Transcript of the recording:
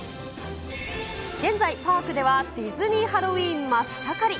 現在、パークではディズニー・ハロウィーン真っ盛り。